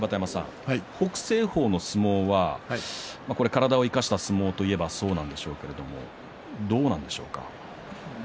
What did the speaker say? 北青鵬の相撲は体を生かした相撲といえばそうなんでしょうけどどうですか。